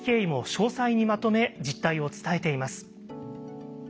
詳細にまとめ実態を伝えています。